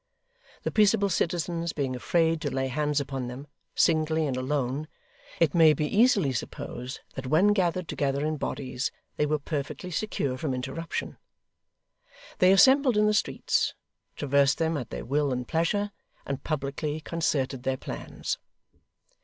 The peaceable citizens being afraid to lay hands upon them, singly and alone, it may be easily supposed that when gathered together in bodies, they were perfectly secure from interruption. They assembled in the streets, traversed them at their will and pleasure, and publicly concerted their plans.